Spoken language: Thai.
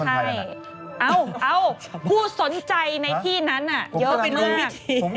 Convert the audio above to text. อ้าวผู้สนใจในที่นั้นอะเยอะเป็นเมื่อก